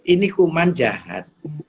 ini kuman caitannya